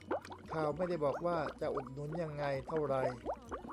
ข่าวไม่ได้บอกว่าจะอุดหนุนยังไงเท่าไร